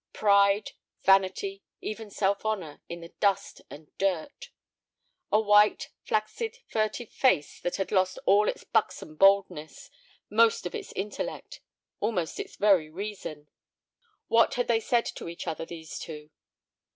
Pride, vanity, even self honor, in the dust and dirt! A white, flaccid, furtive face that had lost all its buxom boldness, most of its intellect—almost its very reason. What had they said to each other, those two?